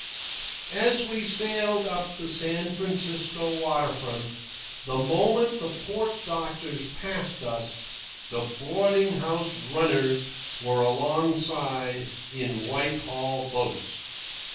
As we sailed up the San Francisco water front, the moment the port doctors passed us, the boarding house runners were alongside in whitehall boats.